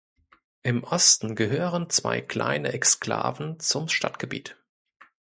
Im Osten gehören zwei kleine Exklaven zum Stadtgebiet.